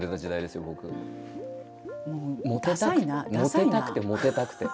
モテたくてモテたくて。